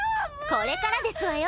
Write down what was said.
これからですわよ。